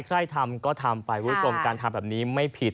ใครทำก็ทำไปคุณผู้ชมการทำแบบนี้ไม่ผิด